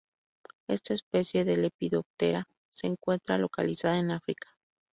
Esta especie de Lepidoptera se encuentra localizada en África.